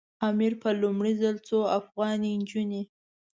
امیر په لومړي ځل څو افغاني نجونې.